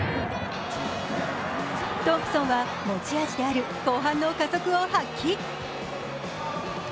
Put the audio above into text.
トンプソンは持ち味である後半の加速を発揮。